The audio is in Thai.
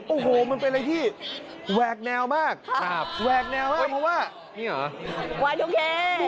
โอ้โหมันเป็นอะไรที่แหวกแนวมากแหวกแนวมากเพราะว่านี่เหรอวายโอเค